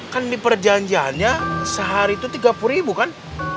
kan di perjanjiannya sehari itu tiga puluh ribu kan